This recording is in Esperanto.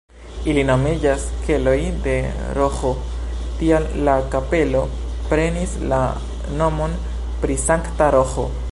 Ili nomiĝas keloj de Roĥo, tial la kapelo prenis la nomon pri Sankta Roĥo.